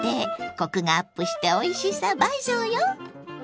コクがアップしておいしさ倍増よ！